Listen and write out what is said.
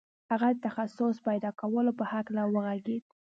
هغه د تخصص پیدا کولو په هکله وغږېد